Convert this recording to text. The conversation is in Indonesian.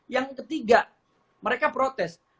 yang ketiga mereka protes